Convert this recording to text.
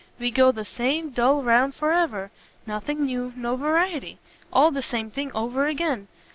We go the same dull round for ever; nothing new, no variety! all the same thing over again!